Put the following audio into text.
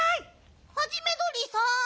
ハジメどりさん